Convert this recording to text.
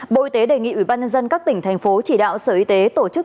bộ y tế đề nghị ủy ban nhân dân các tỉnh thành phố chỉ đạo sở y tế tổ chức